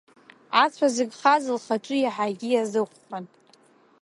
Ацәа зыгхаз лхаҿы иаҳагьы иазыхәхәан.